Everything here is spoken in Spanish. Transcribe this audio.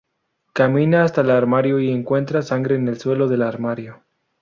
Camina hasta el armario y encuentra sangre en el suelo del armario.